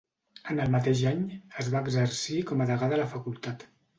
En el mateix any, es va exercir com a degà de la Facultat.